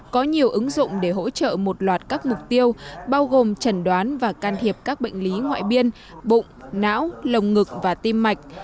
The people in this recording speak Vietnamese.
có nhiều ứng dụng để hỗ trợ một loạt các mục tiêu bao gồm trần đoán và can thiệp các bệnh lý ngoại biên bụng não lồng ngực và tim mạch